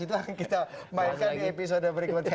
itu akan kita mainkan di episode berikutnya